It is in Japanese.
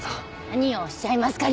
何をおっしゃいますか。